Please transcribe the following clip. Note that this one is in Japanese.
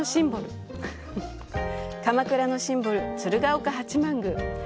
鎌倉のシンボル、鶴岡八幡宮。